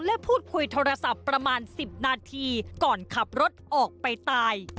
และพูดคุยโทรศัพท์ประมาณ๑๐นาทีก่อนขับรถออกไปตาย